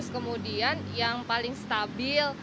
kemudian yang paling stabil